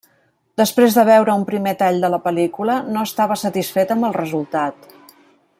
Després de veure un primer tall de la pel·lícula, no estava satisfet amb el resultat.